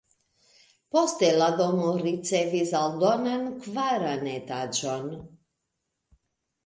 Poste la domo ricevis aldonan kvaran etaĝon.